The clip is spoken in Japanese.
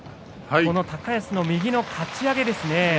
高安の右のかち上げですね。